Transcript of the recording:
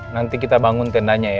nanti kita bangun tendanya ya